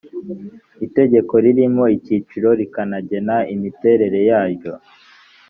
itegeko ririmo icyiciro rikanagena imiterere yaryo